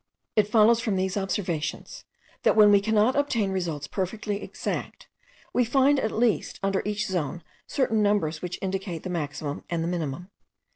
It follows from these observations, that when we cannot obtain results perfectly exact, we find at least under each zone certain numbers which indicate the maximum and minimum.